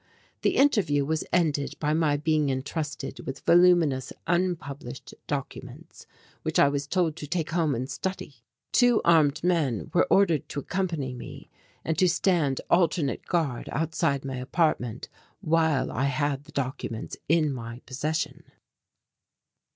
The interview was ended by my being entrusted with voluminous unpublished documents which I was told to take home and study. Two armed men were ordered to accompany me and to stand alternate guard outside my apartment while I had the documents in my possession.